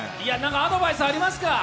アドバイスありますか？